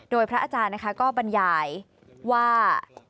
โดยพระอาจารย์นะคะก็บรรยายว่า